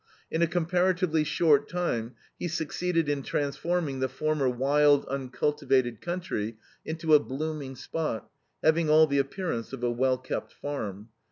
In a comparatively short time he succeeded in transforming the former wild, uncultivated country into a blooming spot, having all the appearance of a well kept farm.